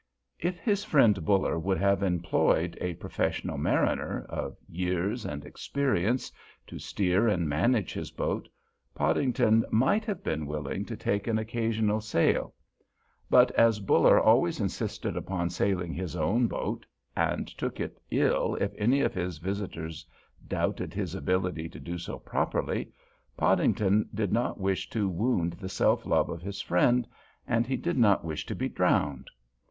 If his friend Buller would have employed a professional mariner, of years and experience, to steer and manage his boat, Podington might have been willing to take an occasional sail; but as Buller always insisted upon sailing his own boat, and took it ill if any of his visitors doubted his ability to do so properly, Podington did not wish to wound the self love of his friend, and he did not wish to be drowned.